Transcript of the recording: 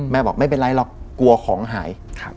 บอกไม่เป็นไรหรอกกลัวของหาย